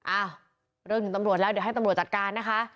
อ่ะเรื่องถึงตำรวจแล้วเดี๋ยวให้ตำรวจจัดการนะคะ